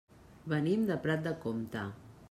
Venim de Prat de Comte.